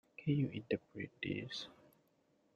Can you interpret this?